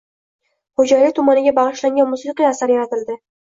Xo‘jayli tumaniga bag‘ishlangan musiqiy asar yaratildi